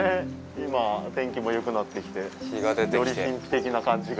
今、天気もよくなってきてより神秘的な感じが。